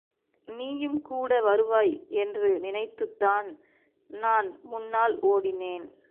நீயும் கூட வருவாய் என்று நினைத்துத்தான் நான் முன்னால் ஒடினேன்.